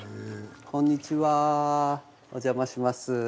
こんにちは、お邪魔します。